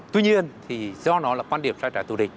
tuy nhiên do nó là quan điểm sai trải tù địch